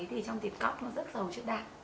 thì trong thịt cóc nó rất giàu chất đạc